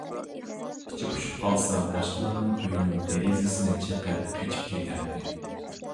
ئىشى پۇشۇپ قالسا باشقىلارنىڭ ئۆيىنىڭ دېرىزىسىنى چېقىپ قېچىپ كېتەتتى.